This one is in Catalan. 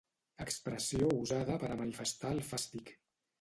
Expressió usada per a manifestar el fàstic